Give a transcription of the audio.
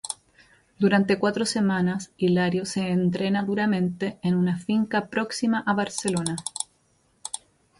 Durante cuatro semanas, Hilario se entrena duramente en una finca próxima a Barcelona.